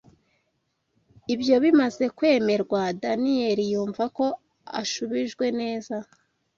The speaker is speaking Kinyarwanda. Ibyo bimaze kwemerwa, Daniyeli yumva ko ashubijwe neza.